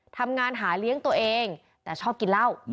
ทำงานหาเลี้ยงตัวเองแต่ชอบกินเหล้า